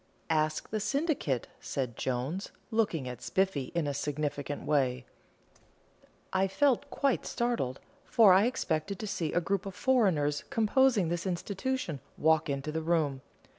"Ask the syndicate," said Jones, looking at Spiffy in a significant way. I felt quite startled, for I expected to see a group of foreigners composing this institution walk into the room.